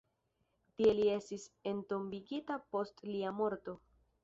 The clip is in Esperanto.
Tie li estis entombigita post lia morto.